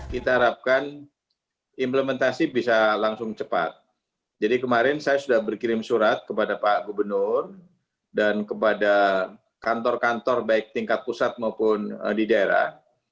kita harapkan implementasi bisa langsung cepat jadi kemarin saya sudah berkirim surat kepada pak gubernur dan kepada kantor kantor baik tingkat pusat maupun di daerah